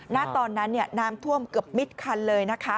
และตอนนั้นน้ำท่วมเกือบมิดคันเลย